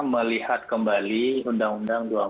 melihat kembali undang undang